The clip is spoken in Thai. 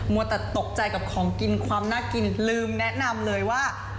วัวแต่ตกใจกับของกินความน่ากินลืมแนะนำเลยว่า